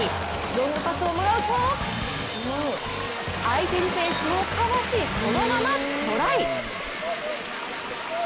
ロングパスをもらうと相手ディフェンスをかわしそのままトライ。